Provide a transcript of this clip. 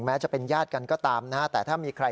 เนี่ยเอาพวกมันทำร้าย